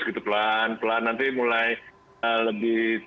begitu pelan pelan nanti mulai